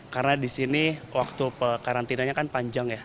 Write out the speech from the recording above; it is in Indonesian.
karena di sini waktu karantinanya kan panjang ya